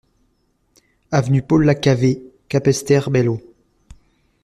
Avenue Paul Lacavé, Capesterre-Belle-Eau